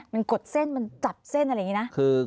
มันกดเส้นมันจับเส้นอะไรอย่างนี้นะ